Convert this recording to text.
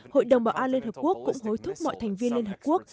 hội đồng bảo an liên hợp quốc cũng hối thúc mọi thành viên liên hợp quốc